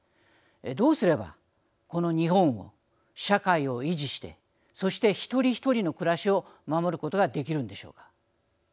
どうすればこの日本を社会を維持してそして一人一人の暮らしを守ることができるんでしょうか。